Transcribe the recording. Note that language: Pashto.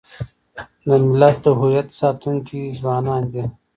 د ملت د هویت ساتونکي ځوانان دي.